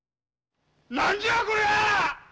何じゃこりゃあ！